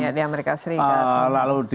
iya di amerika serikat